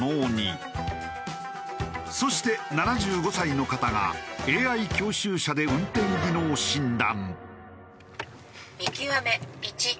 そして７５歳の方がＡＩ教習車で運転技能診断。